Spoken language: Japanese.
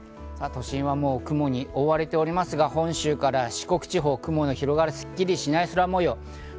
都心は雲に覆われておりますが、本州から四国地方、雲が広がるスッキリしない空模様。